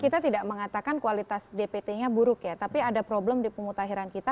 kita tidak mengatakan kualitas dpt nya buruk ya tapi ada problem di pemutahiran kita